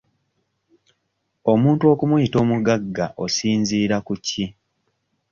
Omuntu okumuyita omugagga osinziira ku ki?